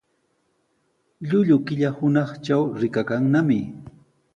Llullu killa hunaqtraw rikakannami.